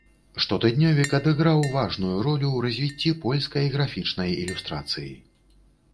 Штотыднёвік адыграў важную ролю ў развіцці польскай графічнай ілюстрацыі.